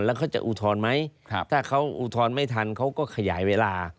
แล้วเขาจะอุทธรณ์ไหมถ้าเขาอุทธรณ์ไม่ทันเขาก็ขยายเวลา